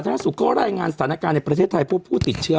ธนาศุกรก็ได้งานศัน๐๑ประเทศไทยผู้ผู้ติดเชื้อ